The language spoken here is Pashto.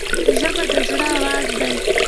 ژبه د زړه آواز دی